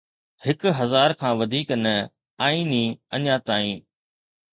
هڪ هزار کان وڌيڪ نه، آئيني اڃا تائين